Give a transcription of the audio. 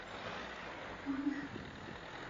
Cuando tenía once años se casó con Blanca María Sforza.